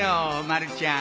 まるちゃん